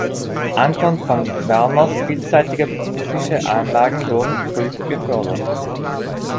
Anton von Werners vielseitige musische Anlagen wurden früh gefördert.